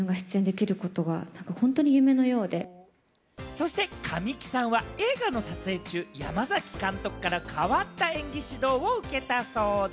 そして神木さんは映画の撮影中、山崎監督から変わった演技指導を受けたそうで。